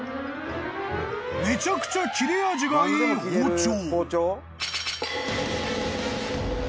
［めちゃくちゃ切れ味がいい包丁］